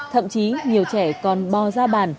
thậm chí nhiều trẻ còn bò ra bàn